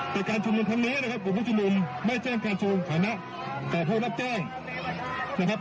แต่การชมนุมทางนี้นะครับผู้ชมนุมไม่แจ้งการชมฐานะต่อผู้รับแจ้งนะครับ